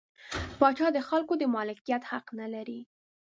پاچا د خلکو د مالکیت حق نلري.